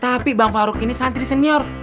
tapi bang farouk ini santri senior